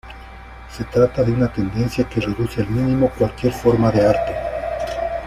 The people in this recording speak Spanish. Se trata de una tendencia que reduce al mínimo cualquier forma de arte.